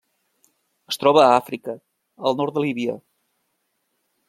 Es troba a Àfrica: el nord de Líbia.